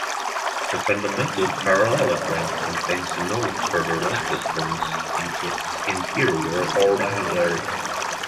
The fundamental parallelogram contains no further lattice points in its interior or boundary.